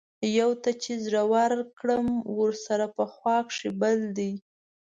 يو ته چې زړۀ ورکړم ورسره پۀ خوا کښې بل دے